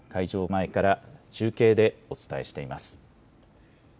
前から中継でお伝えしています。